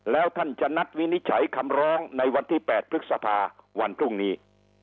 แล้วท่านจะนัดวินิจฉัยคำร้องในวันที่๘พฤษภาวันพรุ่งนี้